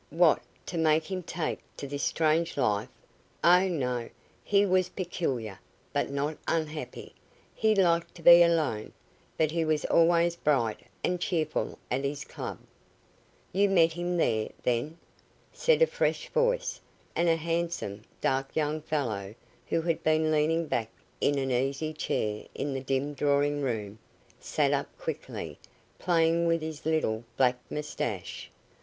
"What, to make him take to this strange life? Oh, no. He was peculiar, but not unhappy. He liked to be alone, but he was always bright and cheerful at his club." "You met him there, then?" said a fresh voice, and a handsome, dark young fellow, who had been leaning back in an easy chair in the dim drawing room, sat up quickly, playing with his little black moustache.